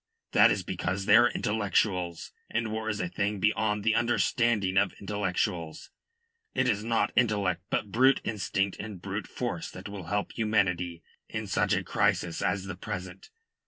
That is because they are intellectuals, and war is a thing beyond the understanding of intellectuals. It is not intellect but brute instinct and brute force that will help humanity in such a crisis as the present.